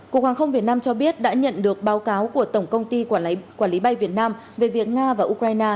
cục hàng không việt nam cho biết đã nhận được báo cáo của tổng công ty quản lý bay việt nam về việc nga và ukraine